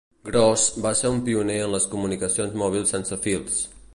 Gross va ser un pioner en les comunicacions mòbils sense fils.